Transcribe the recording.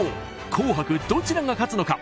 紅白どちらが勝つのか。